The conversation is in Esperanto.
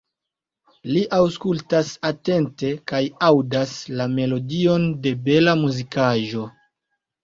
Li aŭskultas atente kaj aŭdas la melodion de bela muzikaĵo.